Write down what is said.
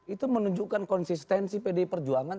itu menunjukkan konsistensi pdi perjuangan